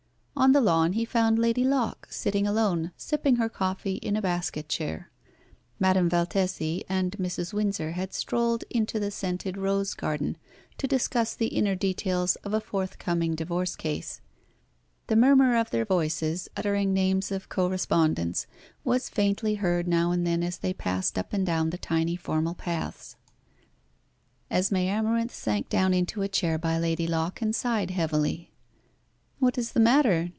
On the lawn he found Lady Locke sitting alone, sipping her coffee in a basket chair. Madame Valtesi and Mrs. Windsor had strolled into the scented rose garden to discuss the inner details of a forthcoming divorce case. The murmur of their voices, uttering names of co respondents, was faintly heard now and then as they passed up and down the tiny formal paths. Esmé Amarinth sank down into a chair by Lady Locke and sighed heavily. "What is the matter?"